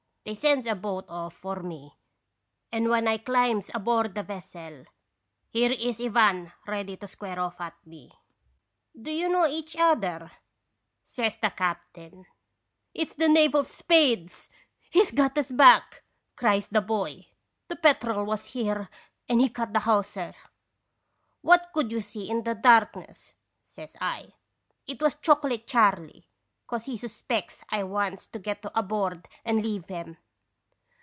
They sends a boat off for me, and when I climbs aboard the vessel, here is Ivan ready to square off at me. " 'Do you know each other?' says the captain. "'It's the Knave of Spades! He has got & (^radons foisitation. 179 us back,' cries the boy. 'The Petrel was here and he cut the hawser.' "'What could you see in the darkness?' says I. 'It was Chocolate Charley, 'cause he suspects I wants to get aboard and leave 'em.'